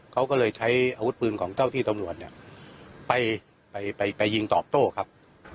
เขาก็เลยใช้อาวุธปืนของเจ้าที่ตำรวจเนี่ยไปไปยิงตอบโต้ครับ